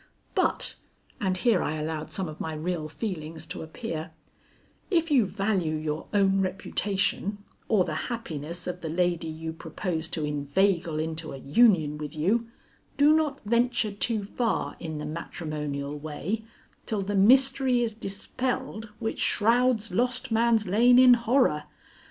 But" and here I allowed some of my real feelings to appear "if you value your own reputation or the happiness of the lady you propose to inveigle into an union with you, do not venture too far in the matrimonial way till the mystery is dispelled which shrouds Lost Man's Lane in horror.